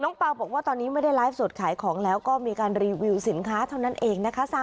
เปล่าบอกว่าตอนนี้ไม่ได้ไลฟ์สดขายของแล้วก็มีการรีวิวสินค้าเท่านั้นเองนะคะ